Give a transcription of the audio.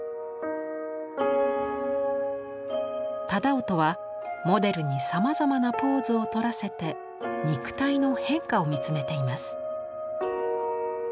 楠音はモデルにさまざまなポーズをとらせて肉体の変化を見つめています。